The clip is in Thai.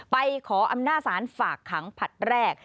ไปขออำนาจศาลฝากขังผลัดแรก